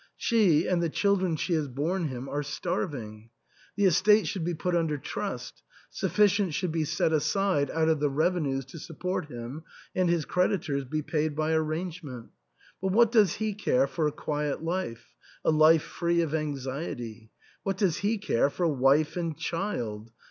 She and the children she has borne him are starving. The estates should be put under trust ; sufficient should be set aside out of the revenues to support him, and his creditors be paid by arrangement. But what does he care for a quiet life — a life free of anxiety? — what does he care for wife and child